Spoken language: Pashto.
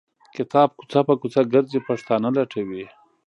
کتاب کوڅه په کوڅه ګرځي پښتانه لټوي.